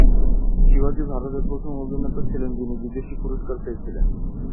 শিবাজি ভারতের প্রথম অভিনেতা ছিলেন যিনি বিদেশী পুরস্কার পেয়েছিলেন।